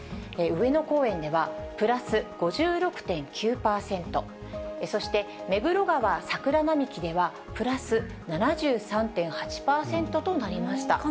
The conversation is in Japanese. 上野公園ではプラス５６．９％、そして目黒川桜並木では、プラス７３．８％となりました。